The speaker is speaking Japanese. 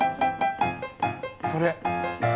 それ！